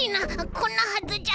こんなはずじゃ。